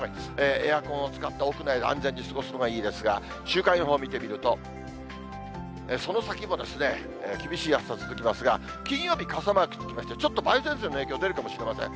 エアコンを使った屋内で安全に過ごすのがいいですが、週間予報見てみると、その先も厳しい暑さ続きますが、金曜日、傘マークつきまして、ちょっと梅雨前線の影響出るかもしれません。